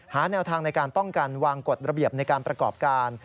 แนวทางในการป้องกันวางกฎระเบียบในการประกอบการ